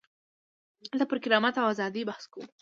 دلته پر کرامت او ازادۍ بحث کوو.